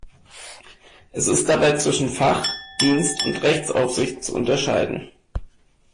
Es ist dabei zwischen Fach-, Dienst- und Rechtsaufsicht zu unterscheiden.